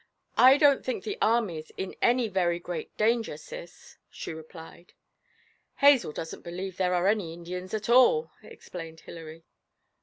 'I don't think the army's in any very great danger, Cis,' she replied. 'Hazel doesn't believe there are any Indians at all,' explained Hilary.